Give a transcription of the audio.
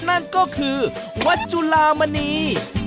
นั่นก็คือวัดจุลามณี